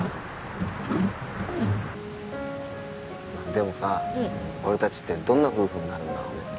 でもさ俺たちってどんな夫婦になるんだろうね。